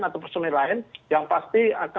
atau personil lain yang pasti akan